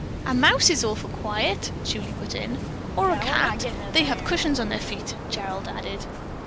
"A mouse is awful quiet," Julie put in. "Or a cat. They have cushions on their feet," Gerald added.